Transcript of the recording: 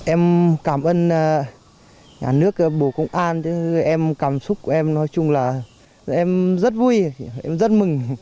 em cảm ơn nhà nước bộ công an em cảm xúc của em nói chung là em rất vui em rất mừng